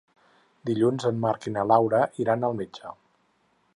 Dilluns en Marc i na Laura iran al metge.